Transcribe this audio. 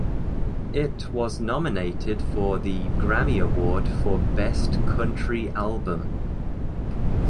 It was nominated for the Grammy Award for Best Country Album.